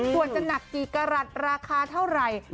ส่วนจะหนักกี่กรัฐราคาเท่าไหร่